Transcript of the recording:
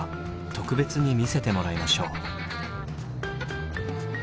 特別に見せてもらいましょう。